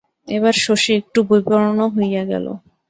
এবার শশী একটু বিবর্ণ হইয়া গেল।